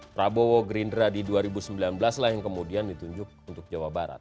prabowo gerindra di dua ribu sembilan belas lah yang kemudian ditunjuk untuk jawa barat